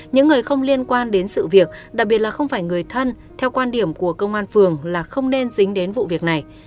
những người không liên quan đến sự việc đặc biệt là không phải người thân theo quan điểm của công an phường là không nên dính đến vụ việc này